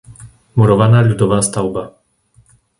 murovaná ľudová stavba